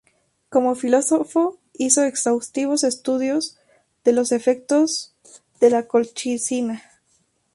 Como fisiólogo hizo exhaustivos estudios de los efectos de la colchicina.